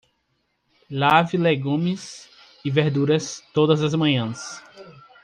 Lave legumes e verduras todas as manhãs